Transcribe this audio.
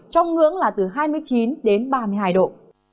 trong ngưỡng là từ hai mươi chín đến ba mươi hai độ